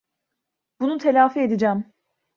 Bunu telafi edeceğim.